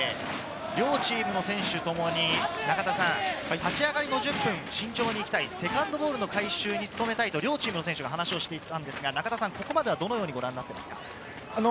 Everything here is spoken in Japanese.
両チームの選手ともに立ち上がりの１０分、慎重に行きたい、セカンドボールの回収に務めたいと両チームの選手が話をしていたんですが、ここまではどのようにご覧になっていますか？